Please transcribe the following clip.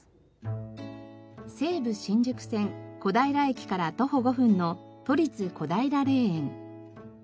西武新宿線小平駅から徒歩５分の都立小平霊園。